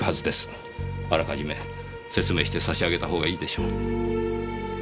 あらかじめ説明してさしあげたほうがいいでしょう。